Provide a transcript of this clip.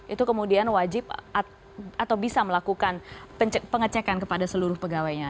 itu kemudian wajib atau bisa melakukan pengecekan kepada seluruh pegawainya